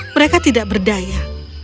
mereka tidak berdaya